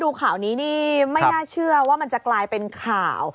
ดูข่าวนี้นี่ไม่น่าเชื่อว่ามันจะกลายเป็นข่าว